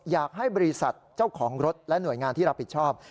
อยากให้บริษัทเจ้าของรถและหน่วยงานที่รับผิดชอบ